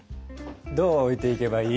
どう置いていけばいい？